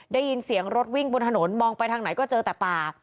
ได้ยินเสียงรถวิ่งบนถนนมองไปทางไหนก็เจอแต่ป่า